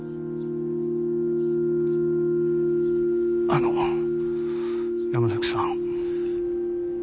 あの山崎さん。